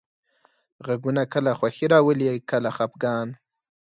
غږونه کله خوښي راولي، کله خپګان.